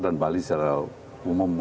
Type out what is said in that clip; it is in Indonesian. dan bali secara umum